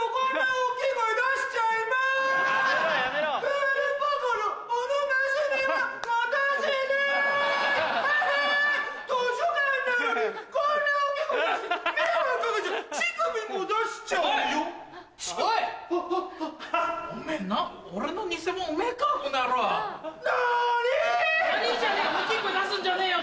大っきい声出すんじゃねえよ